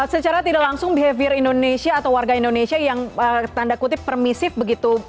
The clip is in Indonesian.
secara tidak langsung behavior indonesia atau warga indonesia yang tanda kutip permisif begitu